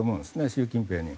習近平に。